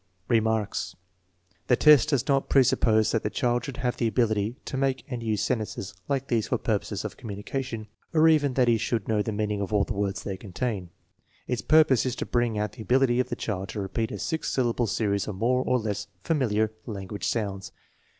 Remarks. The test does not presuppose that the child should have the ability to make and use sentences like these for purposes of communication, or even that he should know the meaning of all the words they contain. Its purpose is to bring out the ability of the child to repeat a six sylla ble series of more or less familiar language sounds.